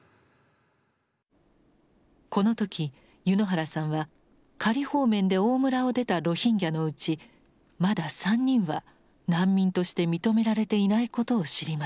この時柚之原さんは仮放免で大村を出たロヒンギャのうちまだ３人は難民として認められていないことを知りました。